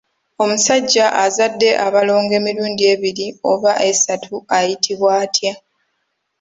Omusajja azadde abalongo emirundi ebiri oba esatu ayitibwa atya?